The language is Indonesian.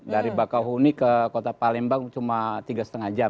dari bakau huni ke kota palembang cuma tiga lima jam